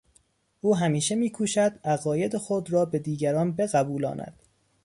او همیشه میکوشد عقاید خود را به دیگران بقبولاند.